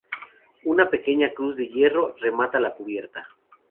Una pequeña cruz de hierro remata la cubierta.